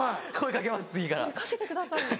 掛けてください。